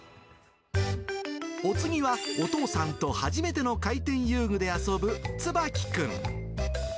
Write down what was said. お次はお父さんと初めての回転遊具で遊ぶつばきくん。